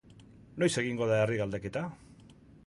Noiz egingo da herri-galdeketa?